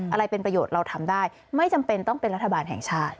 อะไรเป็นประโยชน์เราทำได้ไม่จำเป็นต้องเป็นรัฐบาลแห่งชาติ